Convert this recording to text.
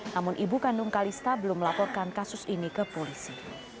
namun ibu kandung kalista belum melaporkan kasus ini ke polisi